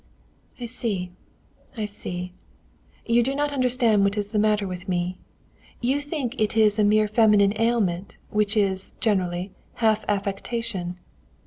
"I see I see. You do not understand what is the matter with me. You think it is a mere feminine ailment, which is, generally, half affectation.